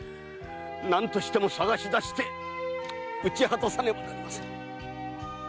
何としても捜し出して討ち果たさねばなりませぬ。